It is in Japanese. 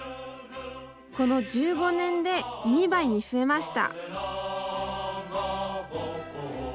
この１５年で２倍に増えました。